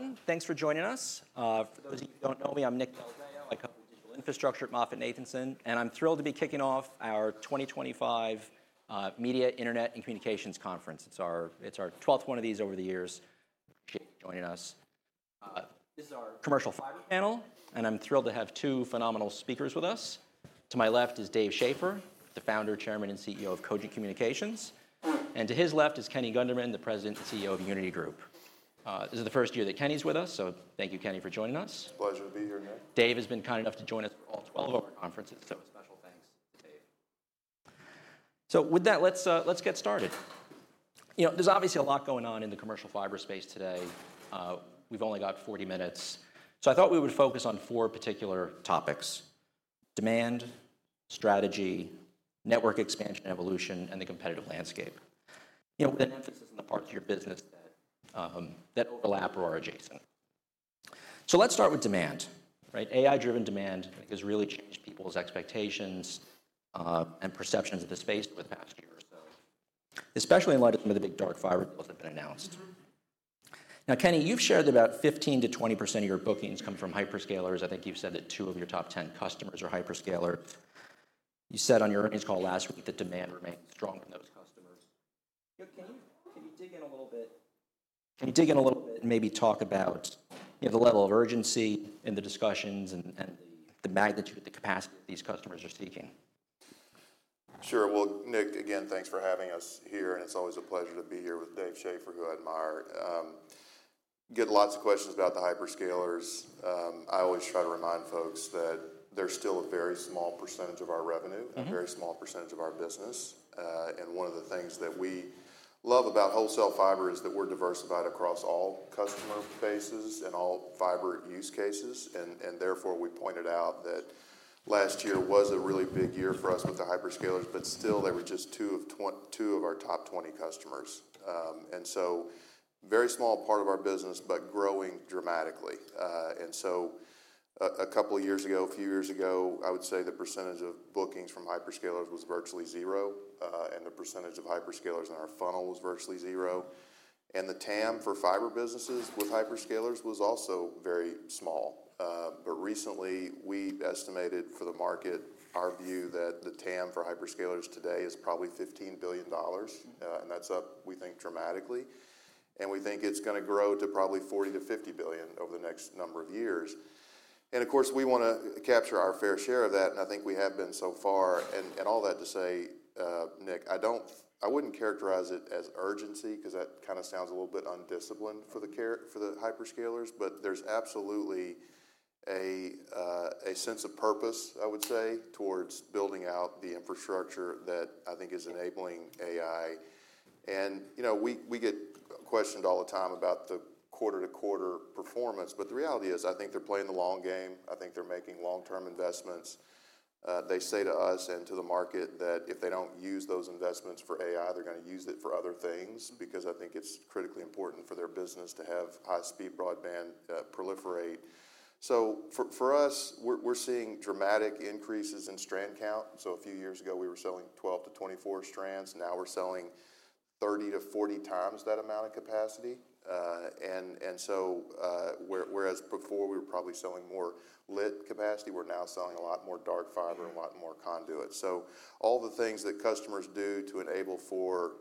One, thanks for joining us. For those of you who do not know me, I am Nick Del Rio, I cover digital infrastructure at Moffett Nathanson, and I am thrilled to be kicking off our 2025 Media Internet and Communications Conference. It is our 12th one of these over the years. Appreciate you joining us. This is our commercial fiber panel, and I am thrilled to have two phenomenal speakers with us. To my left is Dave Schaefer, the founder, chairman, and CEO of Cogent Communications, and to his left is Kenny Gunderman, the president and CEO of Uniti Group. This is the first year that Kenny is with us, so thank you, Kenny, for joining us. Pleasure to be here, Nick. Dave has been kind enough to join us for all 12 of our conferences, so special thanks to Dave. With that, let's get started. There's obviously a lot going on in the commercial fiber space today. We've only got 40 minutes, so I thought we would focus on four particular topics: demand, strategy, network expansion and evolution, and the competitive landscape, with an emphasis on the parts of your business that overlap or are adjacent. Let's start with demand. AI-driven demand has really changed people's expectations and perceptions of the space over the past year or so, especially in light of some of the big dark fiber deals that have been announced. Now, Kenny, you've shared that about 15%-20% of your bookings come from hyperscalers. I think you've said that two of your top 10 customers are hyperscalers. You said on your earnings call last week that demand remains strong from those customers. Can you dig in a little bit? Can you dig in a little bit and maybe talk about the level of urgency in the discussions and the magnitude of the capacity that these customers are seeking? Sure. Nick, again, thanks for having us here, and it's always a pleasure to be here with Dave Schaefer, who I admire. Get lots of questions about the hyperscalers. I always try to remind folks that they're still a very small percentage of our revenue, a very small percentage of our business. One of the things that we love about wholesale fiber is that we're diversified across all customer bases and all fiber use cases. Therefore, we pointed out that last year was a really big year for us with the hyperscalers, but still, they were just two of our top 20 customers. Very small part of our business, but growing dramatically. A couple of years ago, a few years ago, I would say the percentage of bookings from hyperscalers was virtually zero, and the percentage of hyperscalers in our funnel was virtually zero. The TAM for fiber businesses with hyperscalers was also very small. Recently, we estimated for the market our view that the TAM for hyperscalers today is probably $15 billion, and that's up, we think, dramatically. We think it's going to grow to probably $40 billion-$50 billion over the next number of years. Of course, we want to capture our fair share of that, and I think we have been so far. All that to say, Nick, I would not characterize it as urgency because that kind of sounds a little bit undisciplined for the hyperscalers, but there is absolutely a sense of purpose, I would say, towards building out the infrastructure that I think is enabling AI. We get questioned all the time about the quarter-to-quarter performance, but the reality is I think they are playing the long game. I think they are making long-term investments. They say to us and to the market that if they do not use those investments for AI, they are going to use it for other things because I think it is critically important for their business to have high-speed broadband proliferate. For us, we are seeing dramatic increases in strand count. A few years ago, we were selling 12 to 24 strands. Now we are selling 30 to 40 times that amount of capacity. Whereas before we were probably selling more lit capacity, we're now selling a lot more dark fiber and a lot more conduit. All the things that customers do to enable for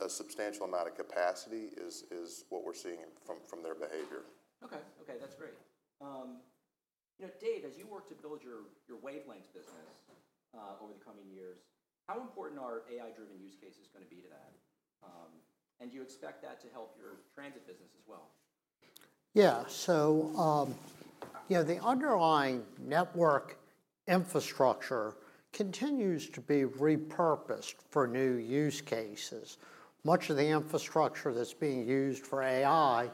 a substantial amount of capacity is what we're seeing from their behavior. Okay. Okay. That's great. Dave, as you work to build your wavelength business over the coming years, how important are AI-driven use cases going to be to that? And do you expect that to help your transit business as well? Yeah. The underlying network infrastructure continues to be repurposed for new use cases. Much of the infrastructure that's being used for AI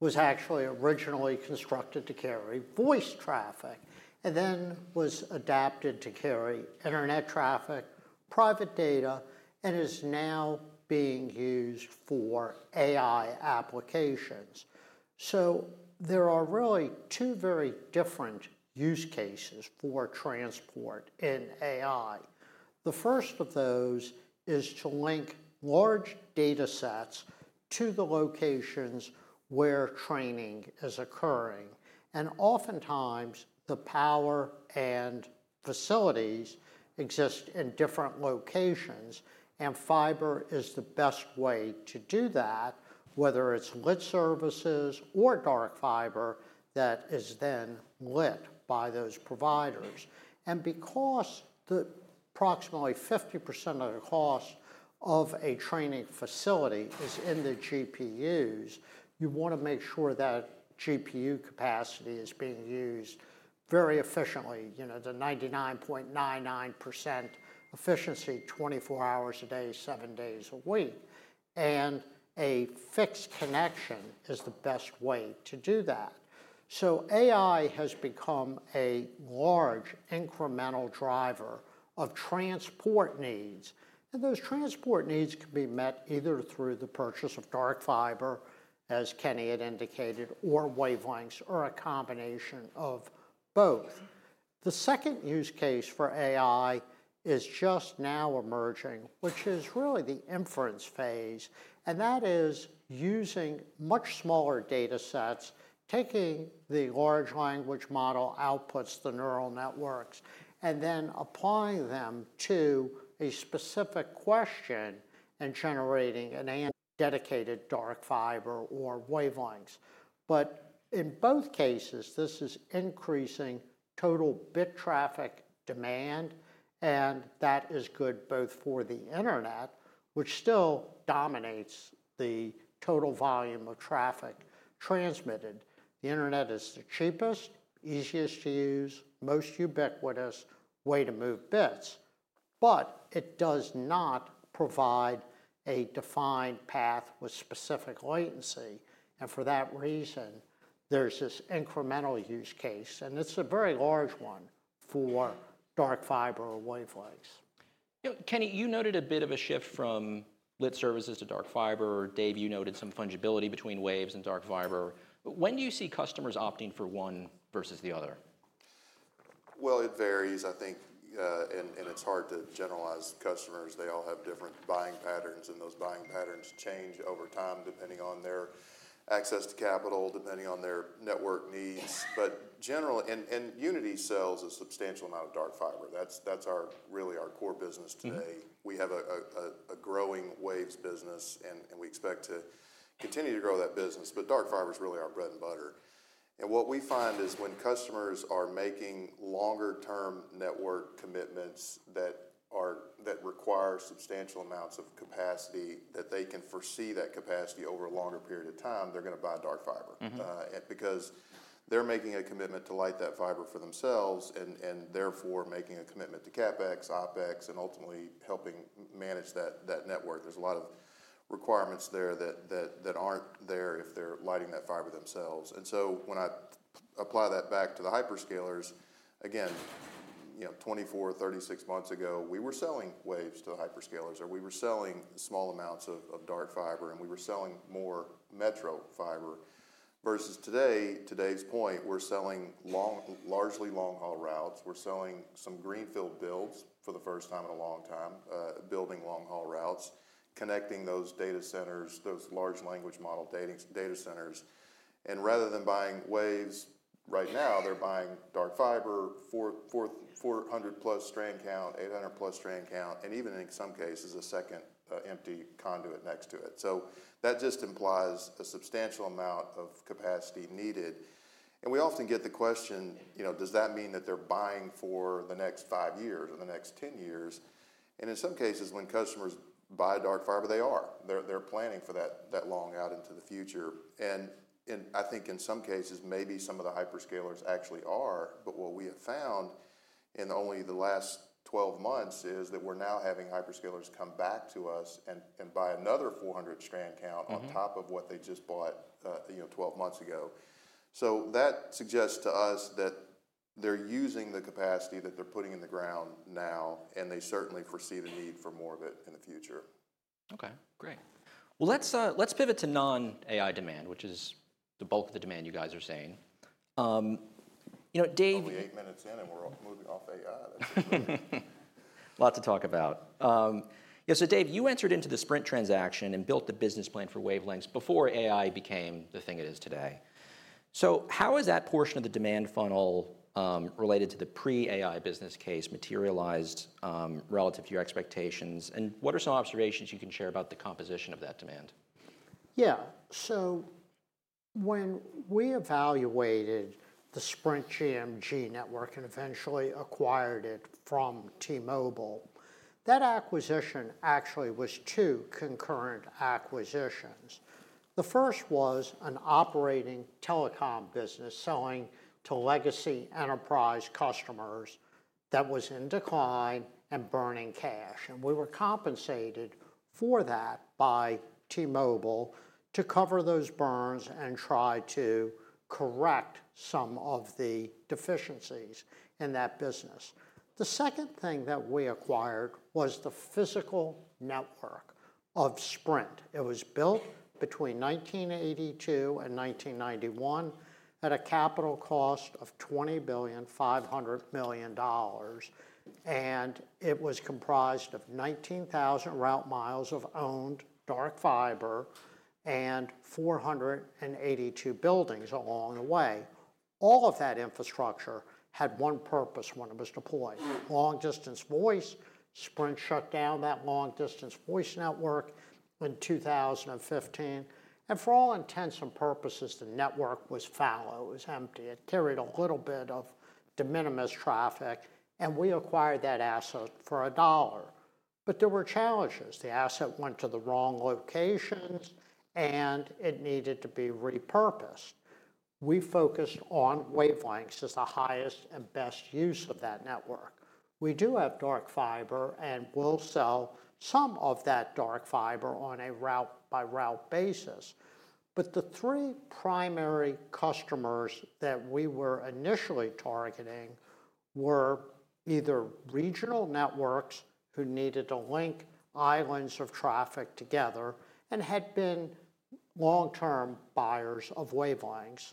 was actually originally constructed to carry voice traffic and then was adapted to carry internet traffic, private data, and is now being used for AI applications. There are really two very different use cases for transport in AI. The first of those is to link large data sets to the locations where training is occurring. Oftentimes, the power and facilities exist in different locations, and fiber is the best way to do that, whether it's lit services or dark fiber that is then lit by those providers. Because approximately 50% of the cost of a training facility is in the GPUs, you want to make sure that GPU capacity is being used very efficiently, the 99.99% efficiency, 24 hours a day, seven days a week. A fixed connection is the best way to do that. AI has become a large incremental driver of transport needs. Those transport needs can be met either through the purchase of dark fiber, as Kenny had indicated, or wavelengths, or a combination of both. The second use case for AI is just now emerging, which is really the inference phase. That is using much smaller data sets, taking the large language model outputs, the neural networks, and then applying them to a specific question and generating a dedicated dark fiber or wavelengths. In both cases, this is increasing total bit traffic demand, and that is good both for the internet, which still dominates the total volume of traffic transmitted. The internet is the cheapest, easiest to use, most ubiquitous way to move bits, but it does not provide a defined path with specific latency. For that reason, there's this incremental use case, and it's a very large one for dark fiber or wavelengths. Kenny, you noted a bit of a shift from lit services to dark fiber. Dave, you noted some fungibility between waves and dark fiber. When do you see customers opting for one versus the other? It varies, I think, and it's hard to generalize customers. They all have different buying patterns, and those buying patterns change over time depending on their access to capital, depending on their network needs. Generally, Uniti sells a substantial amount of dark fiber. That's really our core business today. We have a growing waves business, and we expect to continue to grow that business. Dark fiber is really our bread and butter. What we find is when customers are making longer-term network commitments that require substantial amounts of capacity, that they can foresee that capacity over a longer period of time, they're going to buy dark fiber because they're making a commitment to light that fiber for themselves and therefore making a commitment to CapEx, OpEx, and ultimately helping manage that network. There's a lot of requirements there that aren't there if they're lighting that fiber themselves. When I apply that back to the hyperscalers, again, 24, 36 months ago, we were selling waves to the hyperscalers, or we were selling small amounts of dark fiber, and we were selling more metro fiber. Versus today, to today's point, we're selling largely long-haul routes. We're selling some greenfield builds for the first time in a long time, building long-haul routes, connecting those data centers, those large language model data centers. Rather than buying waves right now, they're buying dark fiber, 400-plus strand count, 800-plus strand count, and even in some cases, a second empty conduit next to it. That just implies a substantial amount of capacity needed. We often get the question, does that mean that they're buying for the next five years or the next 10 years? In some cases, when customers buy dark fiber, they are. They're planning for that long out into the future. I think in some cases, maybe some of the hyperscalers actually are, but what we have found in only the last 12 months is that we're now having hyperscalers come back to us and buy another 400 strand count on top of what they just bought 12 months ago. That suggests to us that they're using the capacity that they're putting in the ground now, and they certainly foresee the need for more of it in the future. Okay. Great. Let's give it to non-AI demand, which is the bulk of the demand you guys are saying. Dave. Probably eight minutes in, and we're moving off AI. Lots to talk about. Dave, you entered into the Sprint transaction and built the business plan for wavelengths before AI became the thing it is today. How is that portion of the demand funnel related to the pre-AI business case materialized relative to your expectations? What are some observations you can share about the composition of that demand? Yeah. When we evaluated the Sprint GMG network and eventually acquired it from T-Mobile, that acquisition actually was two concurrent acquisitions. The first was an operating telecom business selling to legacy enterprise customers that was in decline and burning cash. We were compensated for that by T-Mobile to cover those burns and try to correct some of the deficiencies in that business. The second thing that we acquired was the physical network of Sprint. It was built between 1982 and 1991 at a capital cost of $20,500 million. It was comprised of 19,000 route miles of owned dark fiber and 482 buildings along the way. All of that infrastructure had one purpose when it was deployed. Long-distance voice. Sprint shut down that long-distance voice network in 2015. For all intents and purposes, the network was foul. It was empty. It carried a little bit of de minimis traffic. We acquired that asset for a dollar. There were challenges. The asset went to the wrong locations, and it needed to be repurposed. We focused on wavelengths as the highest and best use of that network. We do have dark fiber and will sell some of that dark fiber on a route-by-route basis. The three primary customers that we were initially targeting were either regional networks who needed to link islands of traffic together and had been long-term buyers of wavelengths,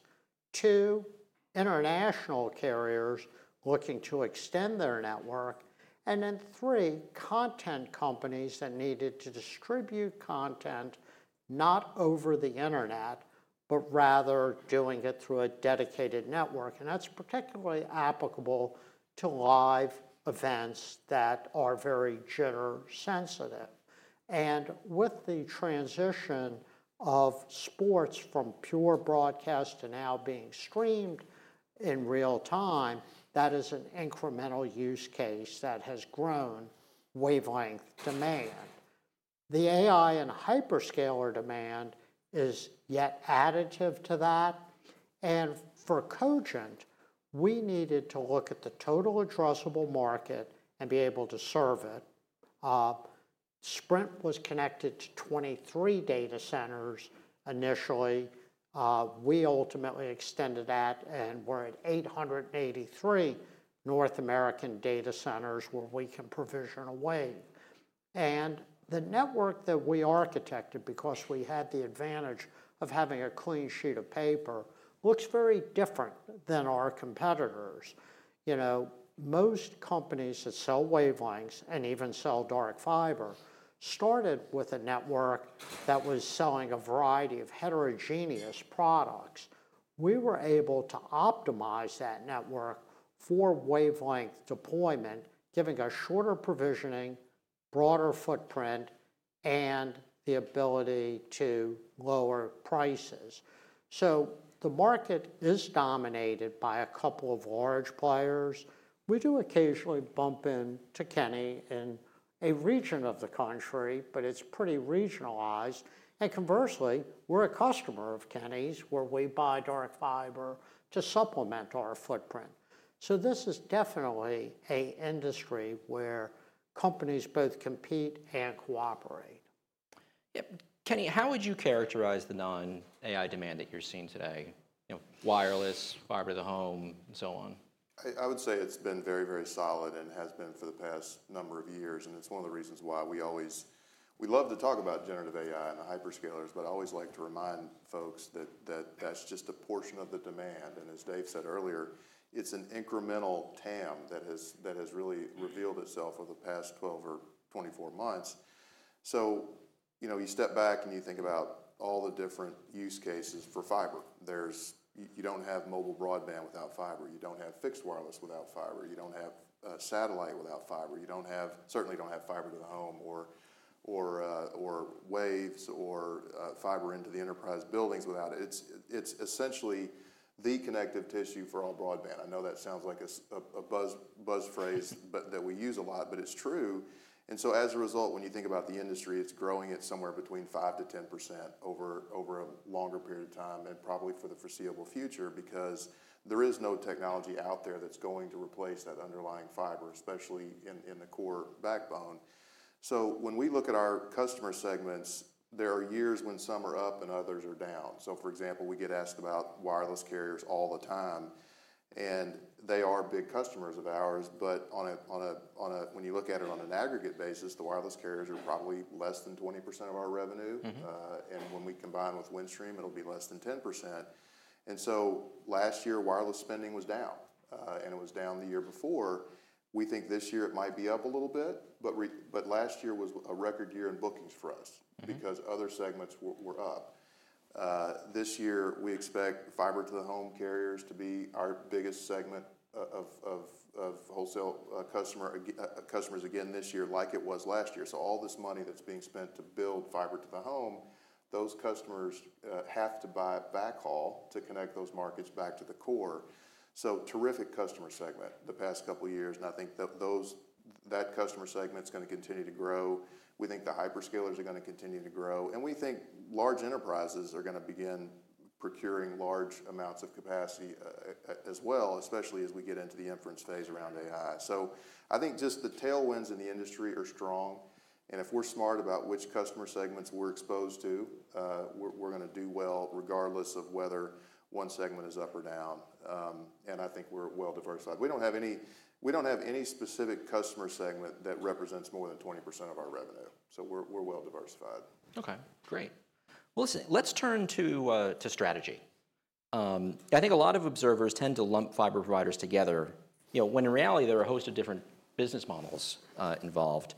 two international carriers looking to extend their network, and three content companies that needed to distribute content not over the internet, but rather doing it through a dedicated network. That is particularly applicable to live events that are very gender-sensitive. With the transition of sports from pure broadcast to now being streamed in real time, that is an incremental use case that has grown wavelength demand. The AI and hyperscaler demand is yet additive to that. For Cogent, we needed to look at the total addressable market and be able to serve it. Sprint was connected to 23 data centers initially. We ultimately extended that and were at 883 North American data centers where we can provision a wave. The network that we architected because we had the advantage of having a clean sheet of paper looks very different than our competitors. Most companies that sell wavelengths and even sell dark fiber started with a network that was selling a variety of heterogeneous products. We were able to optimize that network for wavelength deployment, giving us shorter provisioning, broader footprint, and the ability to lower prices. The market is dominated by a couple of large players. We do occasionally bump into Kenny in a region of the country, but it's pretty regionalized. Conversely, we're a customer of Kenny's where we buy dark fiber to supplement our footprint. This is definitely an industry where companies both compete and cooperate. Kenny, how would you characterize the non-AI demand that you're seeing today? Wireless, fiber to the home, and so on. I would say it's been very, very solid and has been for the past number of years. It's one of the reasons why we always love to talk about generative AI and the hyperscalers, but I always like to remind folks that that's just a portion of the demand. As Dave said earlier, it's an incremental TAM that has really revealed itself over the past 12 or 24 months. You step back and you think about all the different use cases for fiber. You don't have mobile broadband without fiber. You don't have fixed wireless without fiber. You don't have satellite without fiber. You certainly don't have fiber to the home or waves or fiber into the enterprise buildings without it. It's essentially the connective tissue for all broadband. I know that sounds like a buzz phrase that we use a lot, but it's true. As a result, when you think about the industry, it's growing at somewhere between five-10% over a longer period of time and probably for the foreseeable future because there is no technology out there that's going to replace that underlying fiber, especially in the core backbone. When we look at our customer segments, there are years when some are up and others are down. For example, we get asked about wireless carriers all the time. They are big customers of ours, but when you look at it on an aggregate basis, the wireless carriers are probably less than 20% of our revenue. When we combine with Windstream, it'll be less than 10%. Last year, wireless spending was down, and it was down the year before. We think this year it might be up a little bit, but last year was a record year in bookings for us because other segments were up. This year, we expect fiber to the home carriers to be our biggest segment of wholesale customers again this year like it was last year. All this money that's being spent to build fiber to the home, those customers have to buy backhaul to connect those markets back to the core. Terrific customer segment the past couple of years. I think that customer segment's going to continue to grow. We think the hyperscalers are going to continue to grow. We think large enterprises are going to begin procuring large amounts of capacity as well, especially as we get into the inference phase around AI. I think just the tailwinds in the industry are strong. If we're smart about which customer segments we're exposed to, we're going to do well regardless of whether one segment is up or down. I think we're well diversified. We don't have any specific customer segment that represents more than 20% of our revenue. We're well diversified. Okay. Great. Let's turn to strategy. I think a lot of observers tend to lump fiber providers together when in reality there are a host of different business models involved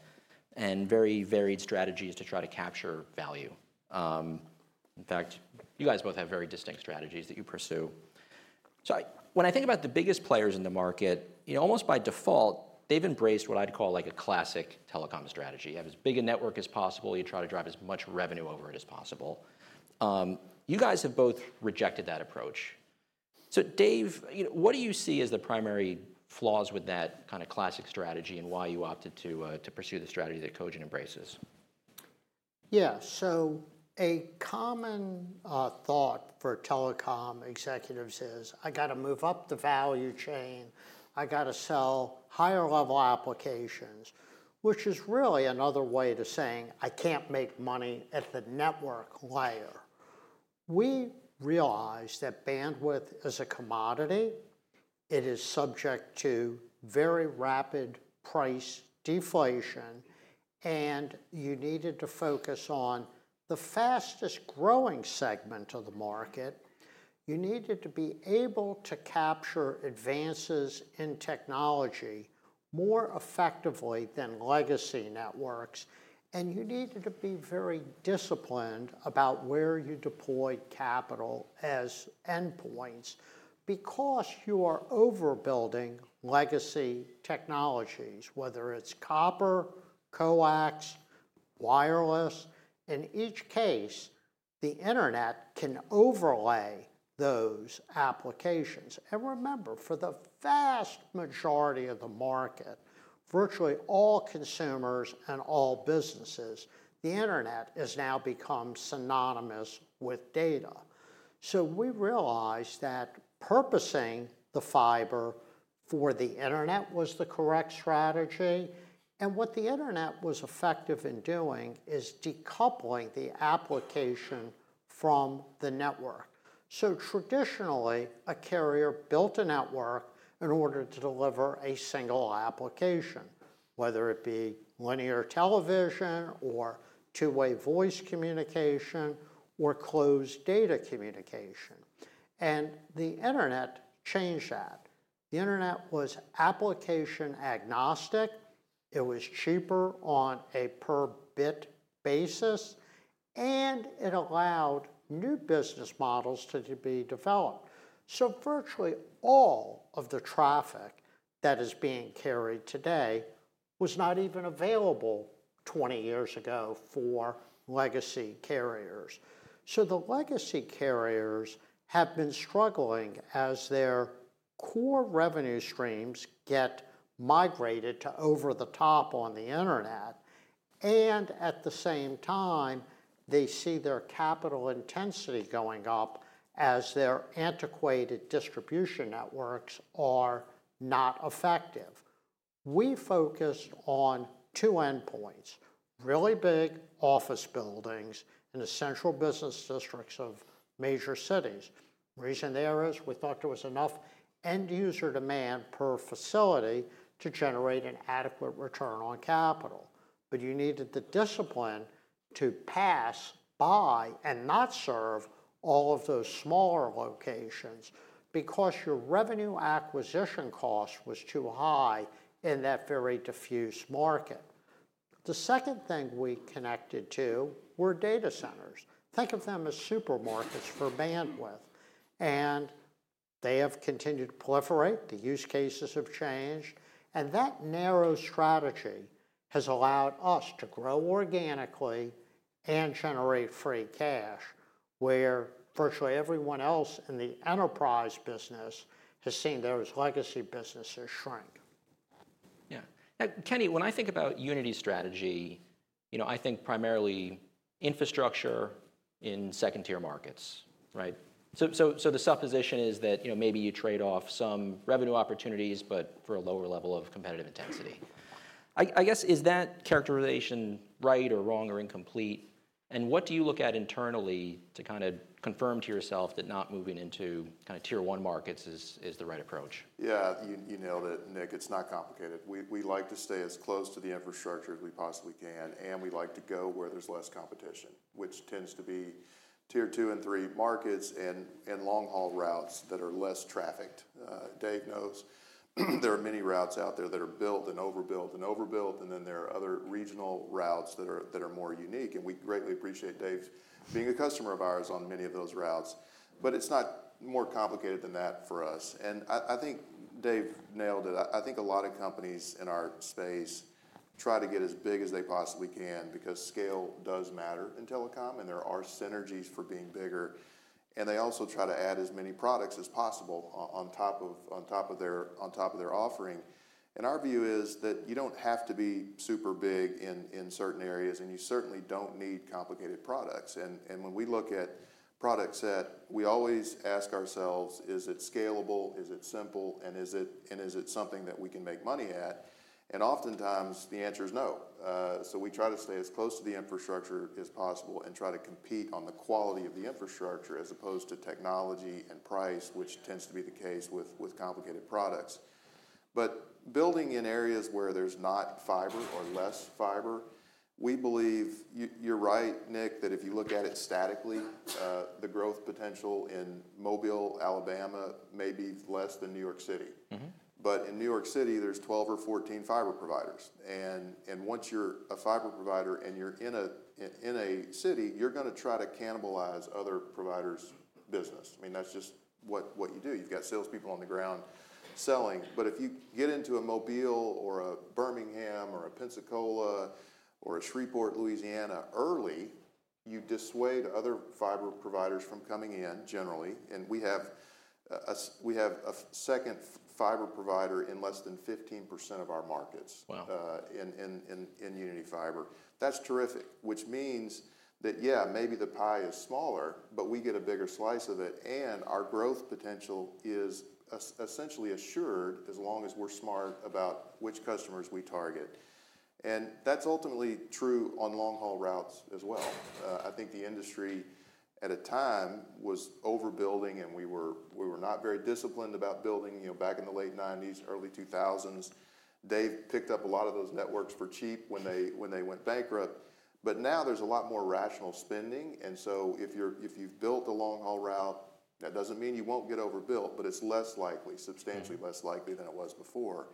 and very varied strategies to try to capture value. In fact, you guys both have very distinct strategies that you pursue. When I think about the biggest players in the market, almost by default, they've embraced what I'd call a classic telecom strategy. You have as big a network as possible. You try to drive as much revenue over it as possible. You guys have both rejected that approach. Dave, what do you see as the primary flaws with that kind of classic strategy and why you opted to pursue the strategy that Cogent embraces? Yeah. A common thought for telecom executives is, "I got to move up the value chain. I got to sell higher-level applications," which is really another way of saying, "I can't make money at the network layer." We realized that bandwidth is a commodity. It is subject to very rapid price deflation. You needed to focus on the fastest-growing segment of the market. You needed to be able to capture advances in technology more effectively than legacy networks. You needed to be very disciplined about where you deploy capital as endpoints because you are overbuilding legacy technologies, whether it's copper, coax, wireless. In each case, the internet can overlay those applications. Remember, for the vast majority of the market, virtually all consumers and all businesses, the internet has now become synonymous with data. We realized that purposing the fiber for the internet was the correct strategy. What the internet was effective in doing is decoupling the application from the network. Traditionally, a carrier built a network in order to deliver a single application, whether it be linear television or two-way voice communication or closed data communication. The internet changed that. The internet was application agnostic. It was cheaper on a per-bit basis. It allowed new business models to be developed. Virtually all of the traffic that is being carried today was not even available 20 years ago for legacy carriers. The legacy carriers have been struggling as their core revenue streams get migrated to over the top on the internet. At the same time, they see their capital intensity going up as their antiquated distribution networks are not effective. We focused on two endpoints: really big office buildings and the central business districts of major cities. The reason there is we thought there was enough end-user demand per facility to generate an adequate return on capital. You needed the discipline to pass by and not serve all of those smaller locations because your revenue acquisition cost was too high in that very diffuse market. The second thing we connected to were data centers. Think of them as supermarkets for bandwidth. They have continued to proliferate. The use cases have changed. That narrow strategy has allowed us to grow organically and generate free cash where virtually everyone else in the enterprise business has seen those legacy businesses shrink. Yeah. Now, Kenny, when I think about Uniti's strategy, I think primarily infrastructure in second-tier markets, right? So the supposition is that maybe you trade off some revenue opportunities, but for a lower level of competitive intensity. I guess, is that characterization right or wrong or incomplete? And what do you look at internally to kind of confirm to yourself that not moving into kind of Tier-one markets is the right approach? Yeah. You nailed it, Nick. It's not complicated. We like to stay as close to the infrastructure as we possibly can. We like to go where there's less competition, which tends to be Tier-two and three markets and long-haul routes that are less trafficked. Dave knows there are many routes out there that are built and overbuilt and overbuilt. There are other regional routes that are more unique. We greatly appreciate Dave being a customer of ours on many of those routes. It's not more complicated than that for us. I think Dave nailed it. I think a lot of companies in our space try to get as big as they possibly can because scale does matter in telecom. There are synergies for being bigger. They also try to add as many products as possible on top of their offering. Our view is that you do not have to be super big in certain areas. You certainly do not need complicated products. When we look at product set, we always ask ourselves, "Is it scalable? Is it simple? And is it something that we can make money at?" Oftentimes, the answer is no. We try to stay as close to the infrastructure as possible and try to compete on the quality of the infrastructure as opposed to technology and price, which tends to be the case with complicated products. Building in areas where there is not fiber or less fiber, we believe you are right, Nick, that if you look at it statically, the growth potential in Mobile, Alabama, may be less than New York City. In New York City, there are 12 or 14 fiber providers. Once you're a fiber provider and you're in a city, you're going to try to cannibalize other providers' business. I mean, that's just what you do. You've got salespeople on the ground selling. If you get into a Mobile or a Birmingham or a Pensacola or a Shreveport, Louisiana early, you dissuade other fiber providers from coming in generally. We have a second fiber provider in less than 15% of our markets in Uniti Fiber. That's terrific, which means that, yeah, maybe the pie is smaller, but we get a bigger slice of it. Our growth potential is essentially assured as long as we're smart about which customers we target. That's ultimately true on long-haul routes as well. I think the industry at a time was overbuilding, and we were not very disciplined about building back in the late 1990s, early 2000s. Dave picked up a lot of those networks for cheap when they went bankrupt. Now there's a lot more rational spending. If you've built a long-haul route, that does not mean you will not get overbuilt, but it is less likely, substantially less likely than it was before.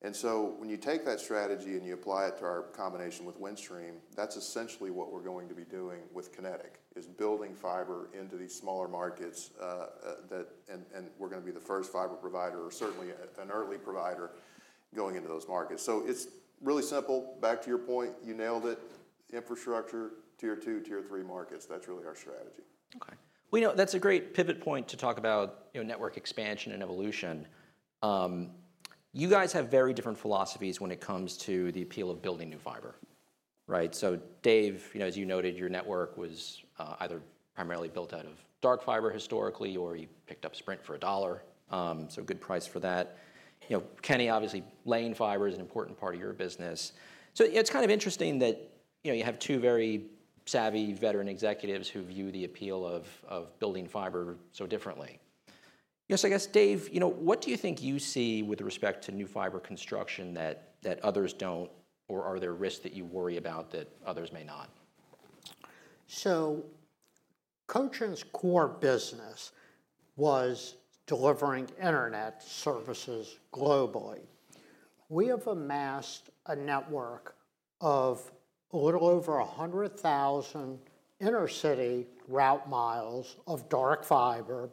When you take that strategy and you apply it to our combination with Windstream, that is essentially what we are going to be doing with Kinetic, building fiber into these smaller markets. We are going to be the first fiber provider or certainly an early provider going into those markets. It is really simple. Back to your point, you nailed it. Infrastructure; Tier-two, Tier-three markets. That is really our strategy. Okay. That's a great pivot point to talk about network expansion and evolution. You guys have very different philosophies when it comes to the appeal of building new fiber, right? So Dave, as you noted, your network was either primarily built out of dark fiber historically or you picked up Sprint for a dollar, so a good price for that. Kenny, obviously, laying fiber is an important part of your business. It's kind of interesting that you have two very savvy veteran executives who view the appeal of building fiber so differently. Yes, I guess, Dave, what do you think you see with respect to new fiber construction that others don't? Or are there risks that you worry about that others may not? Cogent's core business was delivering internet services globally. We have amassed a network of a little over 100,000 inner-city route miles of dark fiber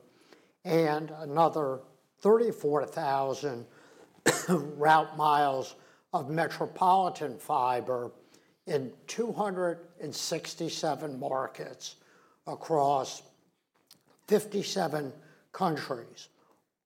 and another 34,000 route miles of metropolitan fiber in 267 markets across 57 countries.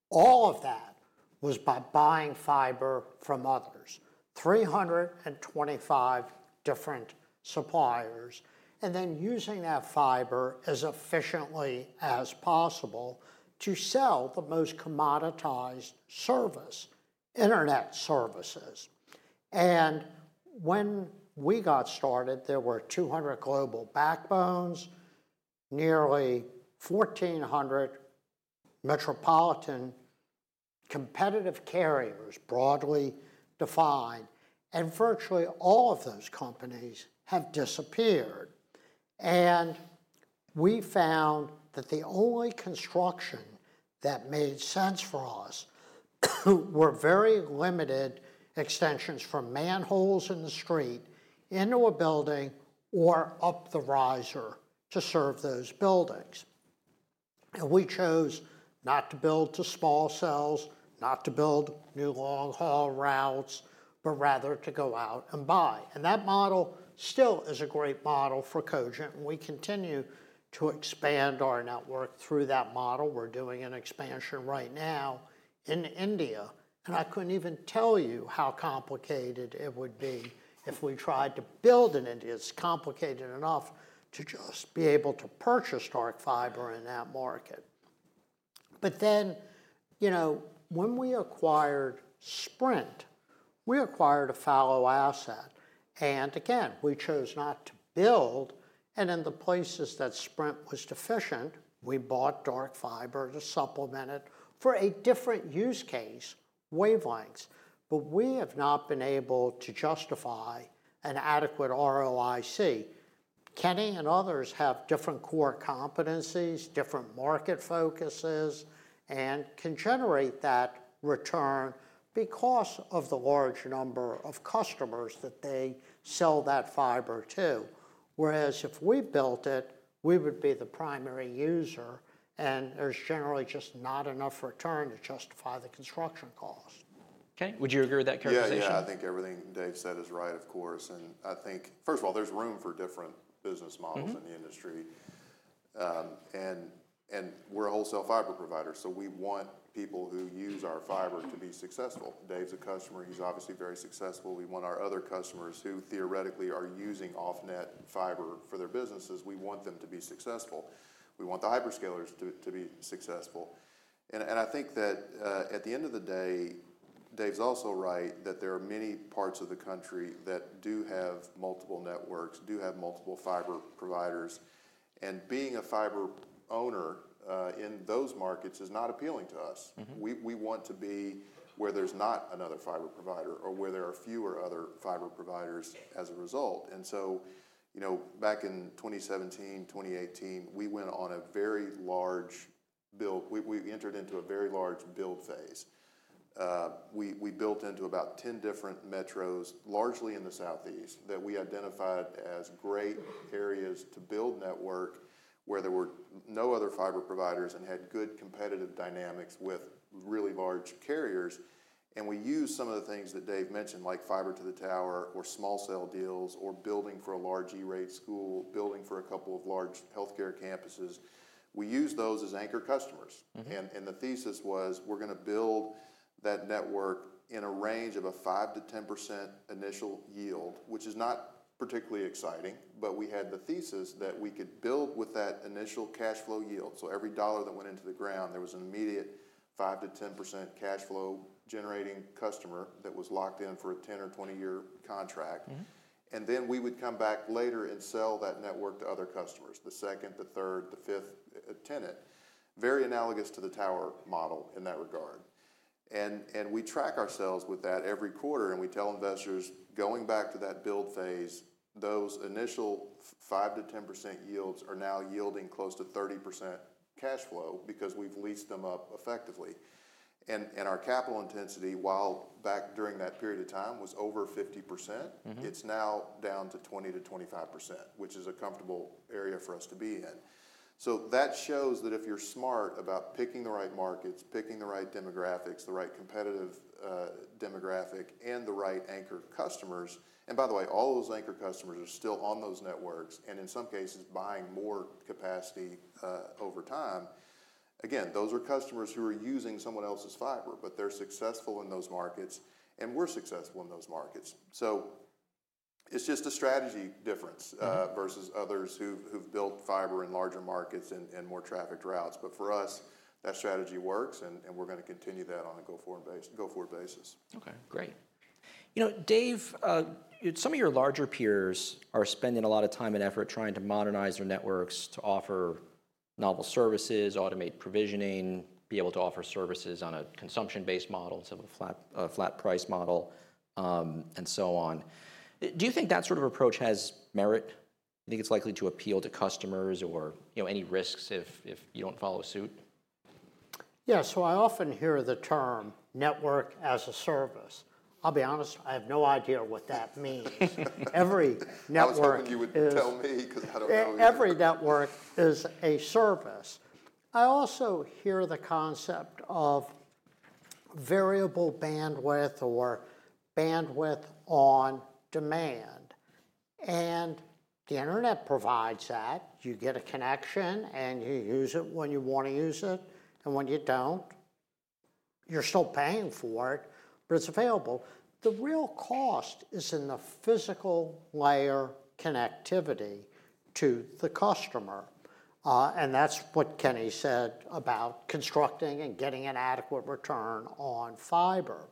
All of that was by buying fiber from others, 325 different suppliers, and then using that fiber as efficiently as possible to sell the most commoditized service, internet services. When we got started, there were 200 global backbones, nearly 1,400 metropolitan competitive carriers broadly defined. Virtually all of those companies have disappeared. We found that the only construction that made sense for us were very limited extensions from manholes in the street into a building or up the riser to serve those buildings. We chose not to build to small cells, not to build new long-haul routes, but rather to go out and buy. That model still is a great model for Cogent. We continue to expand our network through that model. We're doing an expansion right now in India. I couldn't even tell you how complicated it would be if we tried to build in India. It's complicated enough to just be able to purchase dark fiber in that market. When we acquired Sprint, we acquired a fallow asset. We chose not to build. In the places that Sprint was deficient, we bought dark fiber to supplement it for a different use case, wavelengths. We have not been able to justify an adequate ROIC. Kenny and others have different core competencies, different market focuses, and can generate that return because of the large number of customers that they sell that fiber to. Whereas if we built it, we would be the primary user. There's generally just not enough return to justify the construction cost. Kenny, would you agree with that characterization? Yeah. I think everything Dave said is right, of course. I think, first of all, there's room for different business models in the industry. We're a wholesale fiber provider. We want people who use our fiber to be successful. Dave's a customer. He's obviously very successful. We want our other customers who theoretically are using off-net fiber for their businesses. We want them to be successful. We want the hyperscalers to be successful. I think that at the end of the day, Dave's also right that there are many parts of the country that do have multiple networks, do have multiple fiber providers. Being a fiber owner in those markets is not appealing to us. We want to be where there's not another fiber provider or where there are fewer other fiber providers as a result. Back in 2017, 2018, we went on a very large build. We entered into a very large build phase. We built into about 10 different metros, largely in the Southeast, that we identified as great areas to build network where there were no other fiber providers and had good competitive dynamics with really large carriers. We used some of the things that Dave mentioned, like fiber to the tower or small cell deals or building for a large E-Rate school, building for a couple of large healthcare campuses. We used those as anchor customers. The thesis was we're going to build that network in a range of a 5%-10% initial yield, which is not particularly exciting. We had the thesis that we could build with that initial cash flow yield. Every dollar that went into the ground, there was an immediate 5-10% cash flow generating customer that was locked in for a 10- or 20-year contract. We would come back later and sell that network to other customers, the second, the third, the fifth tenant, very analogous to the tower model in that regard. We track ourselves with that every quarter. We tell investors, going back to that build phase, those initial 5-10% yields are now yielding close to 30% cash flow because we've leased them up effectively. Our capital intensity, while back during that period of time, was over 50%, it's now down to 20-25%, which is a comfortable area for us to be in. That shows that if you're smart about picking the right markets, picking the right demographics, the right competitive demographic, and the right anchor customers—by the way, all those anchor customers are still on those networks and in some cases buying more capacity over time—again, those are customers who are using someone else's fiber. They are successful in those markets. We are successful in those markets. It is just a strategy difference versus others who have built fiber in larger markets and more trafficked routes. For us, that strategy works. We are going to continue that on a go-forward basis. Okay. Great. Dave, some of your larger peers are spending a lot of time and effort trying to modernize their networks to offer novel services, automate provisioning, be able to offer services on a consumption-based model instead of a flat price model, and so on. Do you think that sort of approach has merit? Do you think it's likely to appeal to customers or any risks if you don't follow suit? Yeah. So I often hear the term network as a service. I'll be honest, I have no idea what that means. Every network. That's more than you would tell me because I don't know. Every network is a service. I also hear the concept of variable bandwidth or bandwidth on demand. The internet provides that. You get a connection. You use it when you want to use it. When you don't, you are still paying for it, but it is available. The real cost is in the physical layer connectivity to the customer. That is what Kenny said about constructing and getting an adequate return on fiber.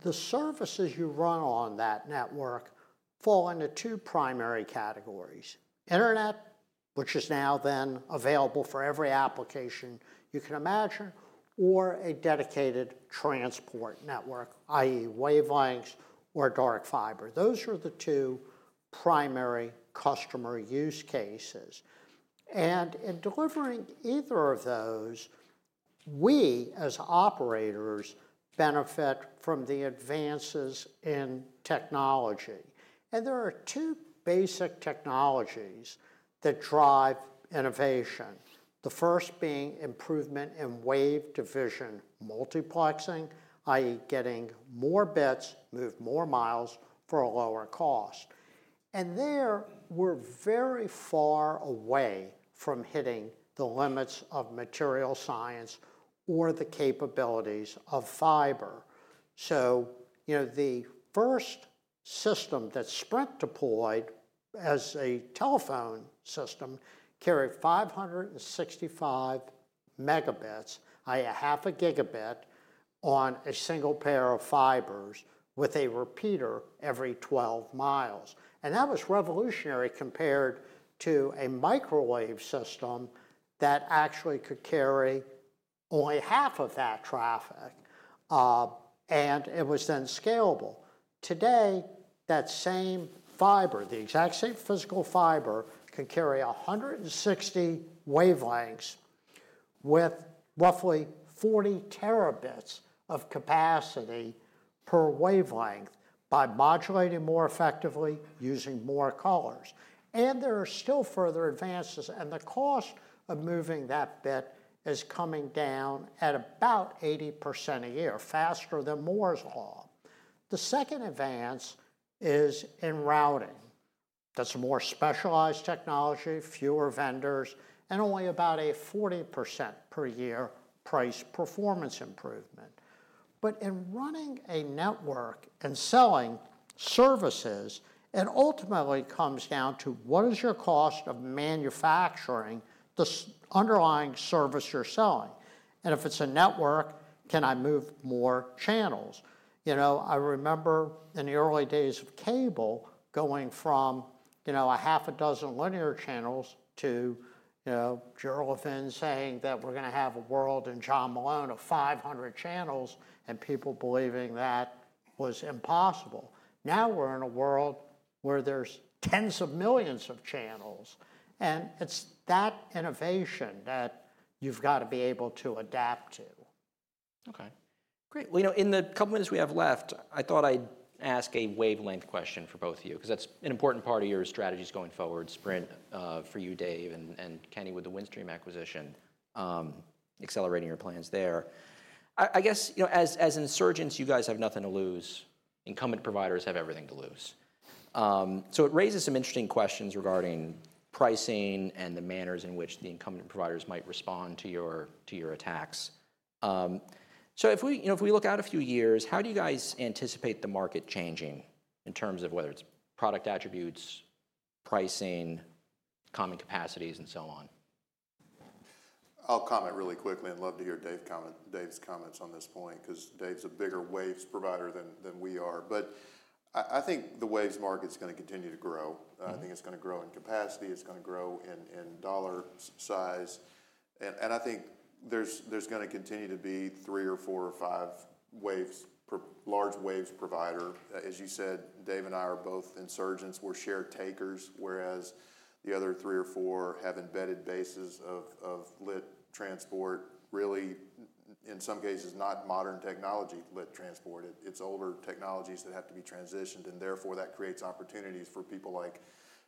The services you run on that network fall into two primary categories: internet, which is now then available for every application you can imagine, or a dedicated transport network, i.e., wavelengths or dark fiber. Those are the two primary customer use cases. In delivering either of those, we as operators benefit from the advances in technology. There are two basic technologies that drive innovation, the first being improvement in wave division multiplexing, i.e., getting more bits, move more miles for a lower cost. There we are very far away from hitting the limits of material science or the capabilities of fiber. The first system that Sprint deployed as a telephone system carried 565 Mb, i.e., a half a Gb on a single pair of fibers with a repeater every 12 mi. That was revolutionary compared to a microwave system that actually could carry only half of that traffic. It was then scalable. Today, that same fiber, the exact same physical fiber, can carry 160 wavelengths with roughly 40 Tb of capacity per wavelength by modulating more effectively using more colors. There are still further advances. The cost of moving that bit is coming down at about 80% a year, faster than Moore's Law. The second advance is in routing. That is a more specialized technology, fewer vendors, and only about a 40% per year price performance improvement. In running a network and selling services, it ultimately comes down to what is your cost of manufacturing the underlying service you are selling. If it is a network, can I move more channels? I remember in the early days of cable going from a half a dozen linear channels to Gerald Finn saying that we are going to have a world and John Malone of 500 channels and people believing that was impossible. Now we are in a world where there are tens of millions of channels. It is that innovation that you have got to be able to adapt to. Okay. Great. In the couple of minutes we have left, I thought I'd ask a wavelength question for both of you because that's an important part of your strategies going forward, Sprint for you, Dave, and Kenny with the Windstream acquisition, accelerating your plans there. I guess as insurgents, you guys have nothing to lose. Incumbent providers have everything to lose. It raises some interesting questions regarding pricing and the manners in which the incumbent providers might respond to your attacks. If we look out a few years, how do you guys anticipate the market changing in terms of whether it's product attributes, pricing, common capacities, and so on? I'll comment really quickly and love to hear Dave's comments on this point because Dave's a bigger waves provider than we are. I think the waves market's going to continue to grow. I think it's going to grow in capacity. It's going to grow in dollar size. I think there's going to continue to be three or four or five large waves provider. As you said, Dave and I are both insurgents. We're share takers, whereas the other three or four have embedded bases of lit transport, really, in some cases, not modern technology lit transport. It's older technologies that have to be transitioned. Therefore, that creates opportunities for people like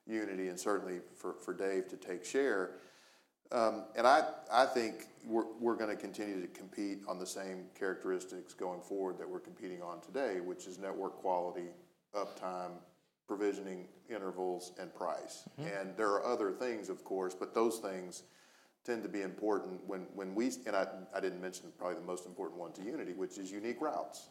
Uniti and certainly for Dave to take share. I think we're going to continue to compete on the same characteristics going forward that we're competing on today, which is network quality, uptime, provisioning intervals, and price. There are other things, of course. Those things tend to be important when we—and I did not mention probably the most important one to Uniti, which is unique routes.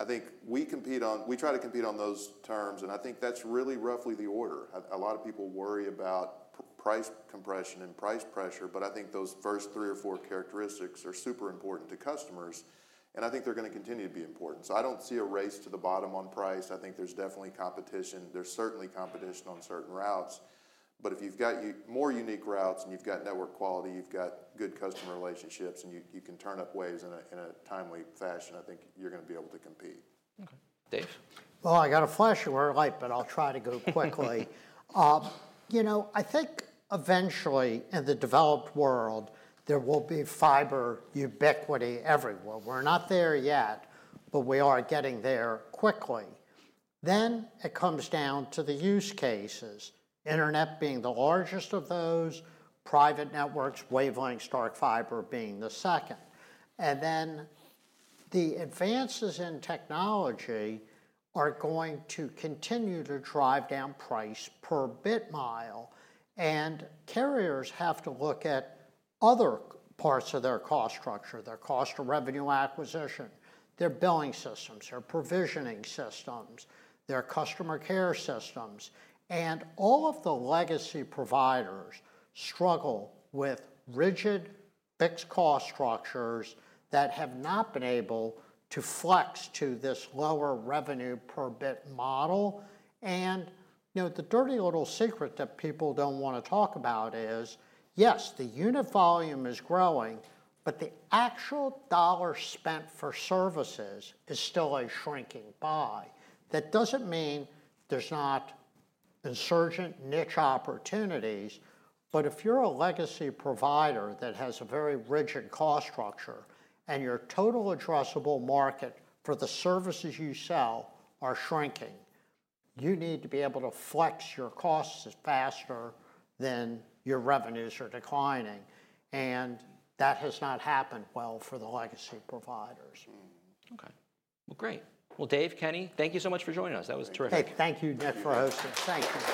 I think we try to compete on those terms. I think that's really roughly the order. A lot of people worry about price compression and price pressure. I think those first three or four characteristics are super important to customers. I think they're going to continue to be important. I do not see a race to the bottom on price. I think there's definitely competition. There's certainly competition on certain routes. If you've got more unique routes and you've got network quality, you've got good customer relationships, and you can turn up waves in a timely fashion, I think you're going to be able to compete. Okay. Dave? I got a flashing red light, but I'll try to go quickly. I think eventually in the developed world, there will be fiber ubiquity everywhere. We're not there yet, but we are getting there quickly. It comes down to the use cases, internet being the largest of those, private networks, wavelengths, dark fiber being the second. The advances in technology are going to continue to drive down price per bit mile. Carriers have to look at other parts of their cost structure, their cost of revenue acquisition, their billing systems, their provisioning systems, their customer care systems. All of the legacy providers struggle with rigid fixed cost structures that have not been able to flex to this lower revenue per bit model. The dirty little secret that people do not want to talk about is, yes, the unit volume is growing, but the actual dollar spent for services is still a shrinking buy. That does not mean there are not insurgent niche opportunities. If you are a legacy provider that has a very rigid cost structure and your total addressable market for the services you sell are shrinking, you need to be able to flex your costs faster than your revenues are declining. That has not happened well for the legacy providers. Okay. Great. Dave, Kenny, thank you so much for joining us. That was terrific. Thank you, Nick, for hosting. Thank you.